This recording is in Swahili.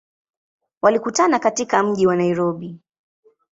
Walikutana katika mji wa Nairobi.